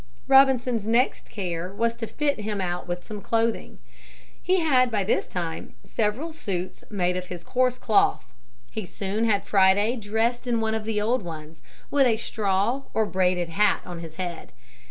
Robinson's next care was to fit him out with some clothing. He had by this time several suits made of his coarse cloth. He soon had Friday dressed in one of the old ones, with a straw or braided hat on his head.